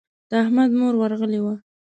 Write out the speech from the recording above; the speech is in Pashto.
د احمد مور ورغلې وه.